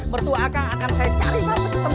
bertuah kang akan saya cari sampai ketemu